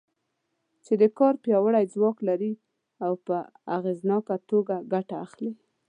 چې د کار پیاوړی ځواک لري او په اغېزناکه توګه ګټه اخلي.